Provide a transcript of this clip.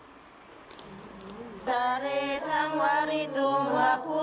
ถุงอ่านทะเลทางมากด้วยพัทรวมความเล่น